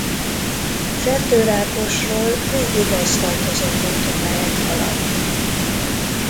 Fertőrákosról végig aszfaltozott úton lehet haladni.